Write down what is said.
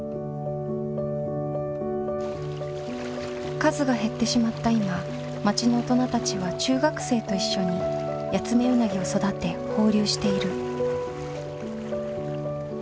数が減ってしまった今町の大人たちは中学生と一緒にヤツメウナギを育て放流している。